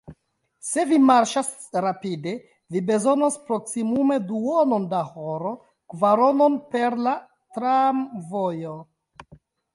Se vi marŝas rapide, vi bezonos proksimume duonon da horo; kvaronon per la tramvojo.